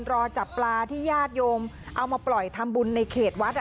รอจับปลาที่ญาติโยมเอามาปล่อยทำบุญในเขตวัด